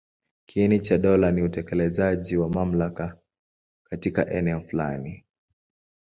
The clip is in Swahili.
Kiini cha dola ni utekelezaji wa mamlaka katika eneo fulani.